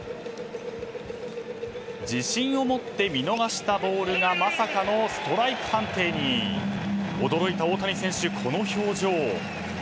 自信を持って見逃したボールがまさかのストライク判定に驚いた大谷選手、この表情。